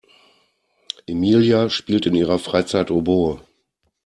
Emilia spielt in ihrer Freizeit Oboe.